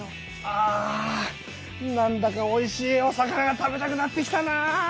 あなんだかおいしいお魚が食べたくなってきたな！